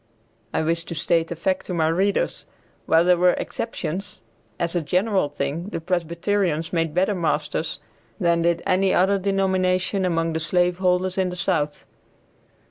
I wish to state a fact to my readers. While there were exceptions, as a general thing the Presbyterians made better masters than did any other denomination among the slave holders in the South.